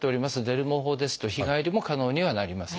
デルモ法ですと日帰りも可能にはなります。